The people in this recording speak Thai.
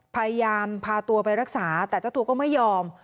พยายามพาตัวไปรักษาแต่เจ้าตัวก็ไม่ยอม